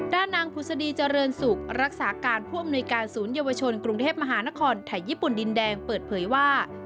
ด้านนางผุศดีเจริญสุขรักษาการผู้อำนวยการศูนยวชนกรุงเทพมหานครไทยญี่ปุ่นดินแดงเปิดเผยว่า